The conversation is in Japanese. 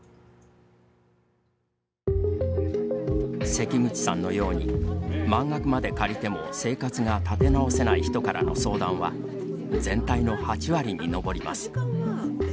関口さんのように満額まで借りても生活が立て直せない人からの相談は、全体の８割に上ります。